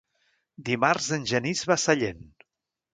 Dimarts en Genís va a Sallent.